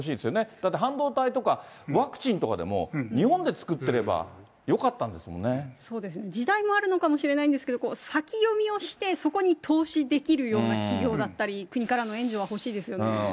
だって半導体とかワクチンとかでも、日本で作ってればよかったんそうですね、時代もあるのかもしれないんですけど、先読みをして、そこに投資できるような企業だったり、国からの援助が欲しいですよね。